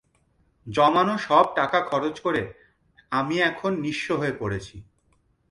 জমানো সব টাকা খরচ করে আমি এখন নিঃস্ব হয়ে পড়েছি।